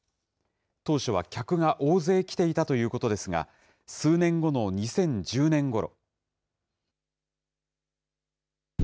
当初は客が大勢来ていたということですが、数年後の２０１０年ごろ。